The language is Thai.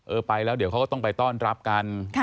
ไปแล้วเดี๋ยวเขาก็ต้องไปต้อนรับกัน